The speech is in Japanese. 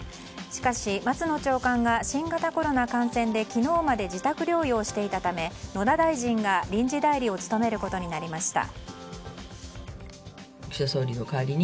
しかし松野長官が新型コロナ感染で昨日まで自宅療養していたため野田大臣が臨時代理を務めることになりました。